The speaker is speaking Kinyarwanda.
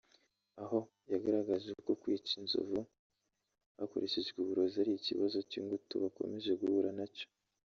aho yagaragaje uku kwica inzovu hakoreshejwe uburozi ari ikibazo cy’ingutu bakomeje guhura nacyo